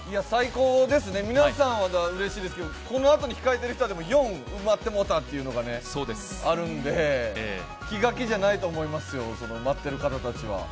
最高ですね、皆さんはうれしいですけど、このあとに控えている人は、４埋まってもうたというのがあるので、気が気じゃないと思いますよ、待ってる人たちは。